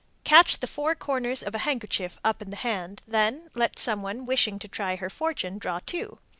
Catch the four corners of a handkerchief up in the hand, then let some one wishing to try her fortune draw two.